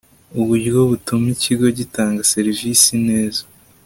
uburyo butuma ikigo gitanga serivisi neza